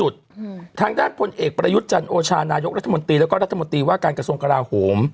ทางด้านพลเอกประยุทธ์จันโอชานายกรัฐมนตรีแล้วก็รัฐมนตรีว่าการกระทรวงกลาโหม